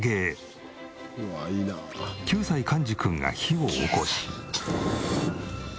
９歳かんじ君が火をおこし。